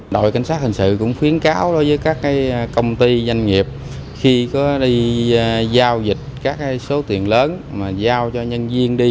đội cảnh sát hình sự cũng khuyến cáo đối với các công ty doanh nghiệp khi có đi giao dịch các số tiền lớn mà giao cho nhân viên đi